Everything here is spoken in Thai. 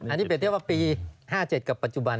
อันนี้เปรียบเทียบว่าปี๕๗กับปัจจุบัน